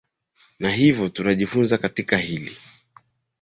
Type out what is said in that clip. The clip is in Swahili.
na hivyo tunajifunza katika hili